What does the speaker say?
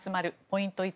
ポイント